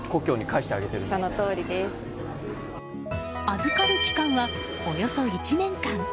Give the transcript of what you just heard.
預かる期間は、およそ１年間。